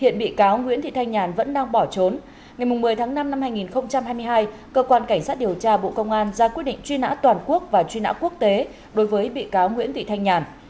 ngày một mươi tháng năm năm hai nghìn hai mươi hai cơ quan cảnh sát điều tra bộ công an ra quyết định truy nã toàn quốc và truy nã quốc tế đối với bị cáo nguyễn thị thanh nhàn